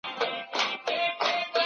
موږ بايد د زغم کلتور عام کړو..